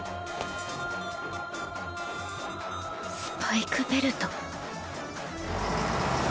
スパイクベルト。